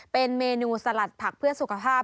เป็นเมนูสลัดผักเพื่อสุขภาพ